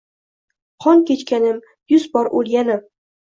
Qon kechganim, yuz bor o’lganim.